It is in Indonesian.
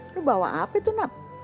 lu bawa apa itu naf